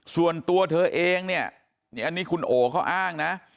ส่วนตัวเธอเองเนี่ยนี่อันนี้คุณโอเขาอ้างนะ